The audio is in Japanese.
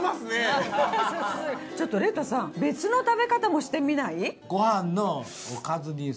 ちょっとレッドさん別の食べ方もしてみない？